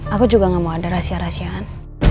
aku juga gak mau ada rahasia rahasiaan